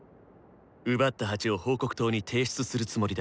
奪った鉢を報告筒に提出するつもりだ。